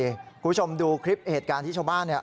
คุณผู้ชมดูคลิปเหตุการณ์ที่ชาวบ้านเนี่ย